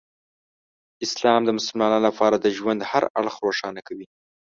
اسلام د مسلمانانو لپاره د ژوند هر اړخ روښانه کوي.